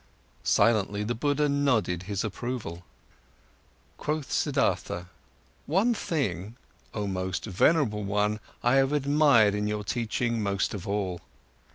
Silently, the Buddha nodded his approval. Quoth Siddhartha: "One thing, oh most venerable one, I have admired in your teachings most of all.